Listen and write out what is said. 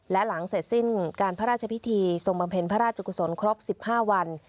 และหลังเสร็จสิ้นการพระราชพิธีทรงบำเพ็ญพระราชกุศลครบ๑๕วัน